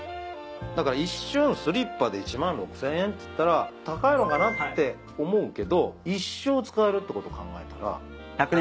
だから一瞬スリッパで１万６，０００円っつったら高いのかなって思うけど一生使えるってこと考えたら。